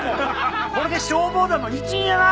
これで消防団の一員やな！